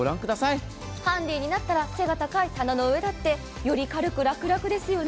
ハンディになったら背の高い棚の上だって、より軽く楽々ですよね。